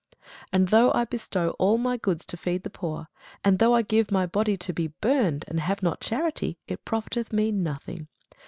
And though I bestow all my goods to feed the poor, and though I give my body to be burned, and have not charity, it profiteth me nothing.